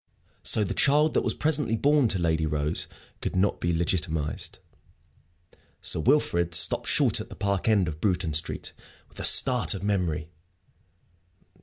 So the child that was presently born to Lady Rose could not be legitimized. Sir Wilfrid stopped short at the Park end of Bruton Street, with a start of memory.